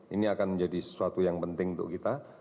ini akan menjadi sesuatu yang penting untuk kita